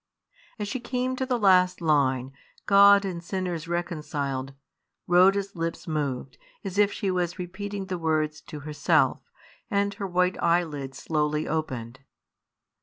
As she came to the last line, "God and sinners reconciled," Rhoda's lips moved, as if she was repeating the words to herself, and her white eyelids slowly opened.